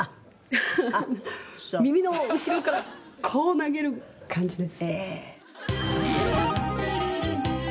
耳の後ろからこう投げる感じです。